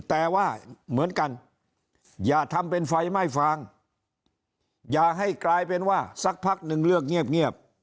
แต่ว่าเหมือนกันอย่าทำเป็นไฟไหม้ฟางอย่าให้กลายเป็นว่าสักพักหนึ่งเลือกเงียบ